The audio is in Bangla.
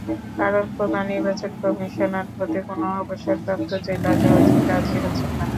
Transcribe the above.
কারণ, প্রধান নির্বাচন কমিশনার হতে কোনো অবসরপ্রাপ্ত জেলা জজই রাজি হচ্ছেন না।